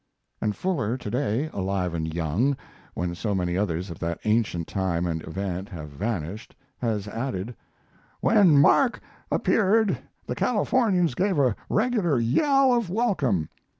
And Fuller to day, alive and young, when so many others of that ancient time and event have vanished, has added: "When Mark appeared the Californians gave a regular yell of welcome.